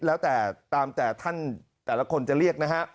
แล้วแต่ตามแต่ท่านแต่ละคนจะเรียกนะฮะ